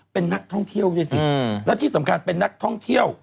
เป็นนักท่องเที่ยวด้วยสิและที่สำคัญเป็นนักท่องเที่ยว